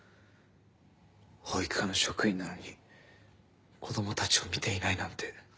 保育課の職員なのに子供たちを見ていないなんて。